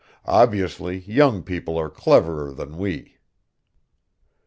Obviously young people are cleverer than we."